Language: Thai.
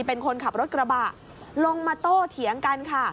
เป็นคนขับรถกระบะลงมาโต้เถียงกันค่ะ